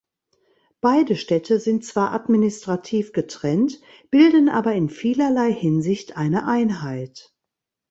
Beide Städte sind zwar administrativ getrennt, bilden aber in vielerlei Hinsicht eine Einheit.